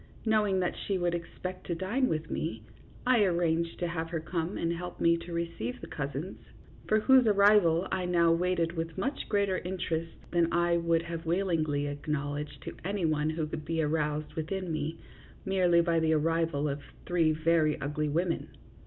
knowing that she would expect to dine with me, I arranged to have her come and help me to receive the cousins, for whose arrival I now waited with much greater interest than I would have willingly acknowledged to any one could be aroused within me merely by the arrival of three very ugly women.